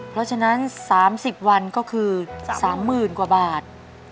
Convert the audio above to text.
เพราะฉะนั้นสามสิบวันก็คือสามหมื่นกว่าบาท